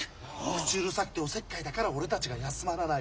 口うるさくておせっかいだから俺たちが休まらない。